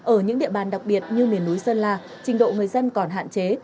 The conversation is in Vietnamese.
ở những địa bàn đặc biệt như miền núi sơn la trình độ người dân còn hạn chế